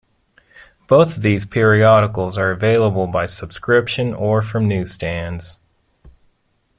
Both of these periodicals are available by subscription or from newsstands.